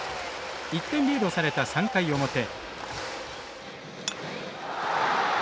１点リードされた３回表。